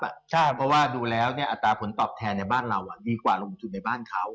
เพราะว่าดูแล้วอัตราผลตอบแทนในบ้านเราดีกว่าลงทุนในบ้านเขา